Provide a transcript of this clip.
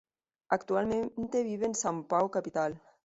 Actualmente vive en São Paulo capital.